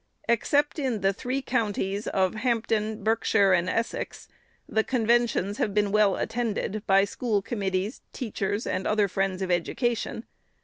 Except in the three counties of Hampden, Berkshire, and Essex, the conventions have been well attended by school committees, teachers, and other friends of Education.